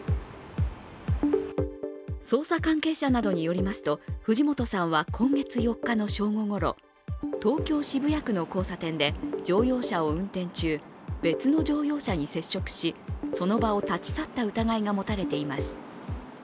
捜査関係者などによりますと、藤本さんは今月４日の正午ごろ、東京・渋谷区の交差点で、乗用車を運転中別の乗用車に接触し、その場を立ち去った疑いが持たれています。